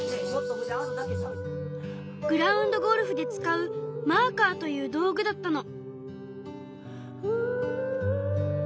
グラウンドゴルフで使うマーカーという道具だったの。